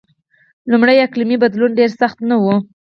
لومړی اقلیمی بدلون ډېر سخت نه و.